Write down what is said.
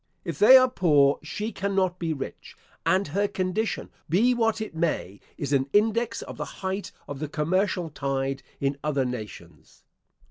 If they are poor she cannot be rich, and her condition, be what it may, is an index of the height of the commercial tide in other nations.